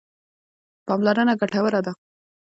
پاملرنه ګټوره ده.